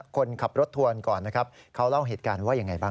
คนขับรถทวนก่อนเค้าเล่าเหตุการณ์ว่าไงบ้าง